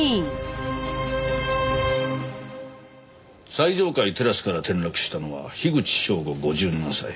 最上階テラスから転落したのは樋口彰吾５７歳。